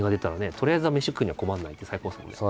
とりあえずは飯食うには困らないって最高ですよね。